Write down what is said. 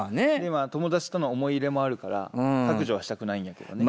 友達との思い入れもあるから削除はしたくないんやけどね。